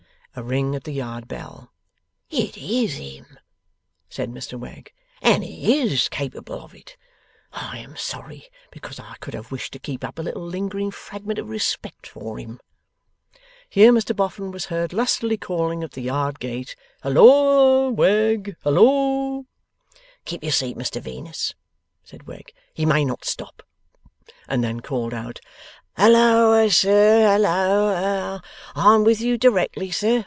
A ring at the yard bell. 'It is him,' said Mr Wegg, 'and he is capable of it. I am sorry, because I could have wished to keep up a little lingering fragment of respect for him.' Here Mr Boffin was heard lustily calling at the yard gate, 'Halloa! Wegg! Halloa!' 'Keep your seat, Mr Venus,' said Wegg. 'He may not stop.' And then called out, 'Halloa, sir! Halloa! I'm with you directly, sir!